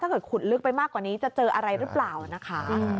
ถ้าเกิดขุดลึกไปมากกว่านี้จะเจออะไรรึเปล่านะคะ